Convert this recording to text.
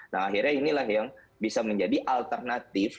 nah akhirnya inilah yang bisa menjadi alternatif